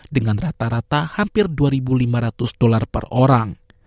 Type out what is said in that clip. dengan rata rata hampir dua lima ratus dolar per orang